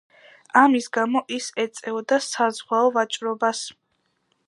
ამის გამო ის ეწეოდა საზღვაო ვაჭრობას.